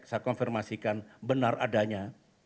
saya konfirmasikan benar adanya